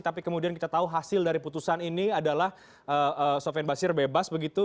tapi kemudian kita tahu hasil dari putusan ini adalah sofian basir bebas begitu